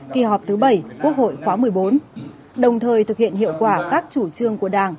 kỳ họp thứ bảy quốc hội khóa một mươi bốn đồng thời thực hiện hiệu quả các chủ trương của đảng